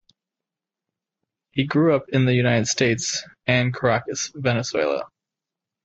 He grew up in the United States and Caracas, Venezuela.